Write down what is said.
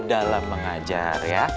dalam mengajar ya